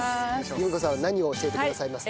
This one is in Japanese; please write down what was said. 由美子さんは何を教えてくださいますか？